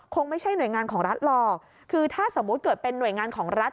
คงไม่ใช่หน่วยงานของรัฐหรอกคือถ้าสมมุติเกิดเป็นหน่วยงานของรัฐ